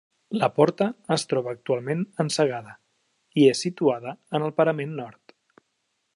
La porta es troba actualment encegada, i és situada en el parament nord.